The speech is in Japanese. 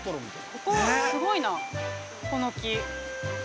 ここすごいな、この木。